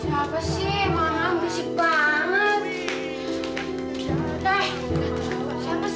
siapa sih mama musik banget deh siapa sih teh